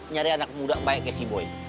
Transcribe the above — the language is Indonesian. nyari anak muda baik ya si boy